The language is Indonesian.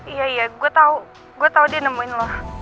iya iya gue tau gue tau dia nemuin lo